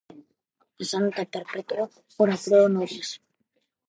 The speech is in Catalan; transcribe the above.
A Santa Perpètua, «ora pro nobis».